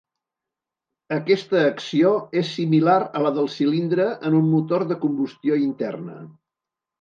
Aquesta acció és similar a la del cilindre en un motor de combustió interna.